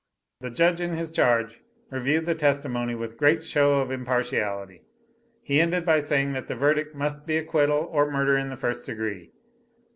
The Judge in his charge reviewed the testimony with great show of impartiality. He ended by saying that the verdict must be acquittal or murder in the first degree.